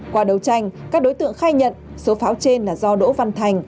qua đấu tranh các đối tượng khai nhận số pháo trên là do đỗ văn thành